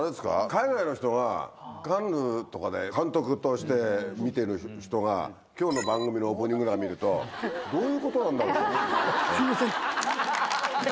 海外の人がカンヌとかで監督として見ている人が、きょうの番組のオープニングなんか見ると、どういうことなんだっすみませんって。